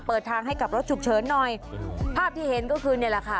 เปิดทางให้กับรถฉุกเฉินหน่อยภาพที่เห็นก็คือนี่แหละค่ะ